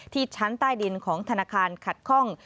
ที่ชั้นใต้ดินของธนาคารขัดข้อง